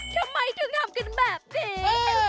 ทำไมถึงทำกันแบบนี้